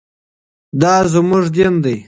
دا زموږ دین دی.